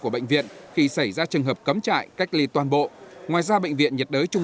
của bệnh viện khi xảy ra trường hợp cấm trại cách ly toàn bộ ngoài ra bệnh viện nhiệt đới trung